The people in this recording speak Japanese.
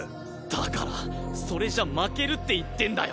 だからそれじゃ負けるって言ってんだよ！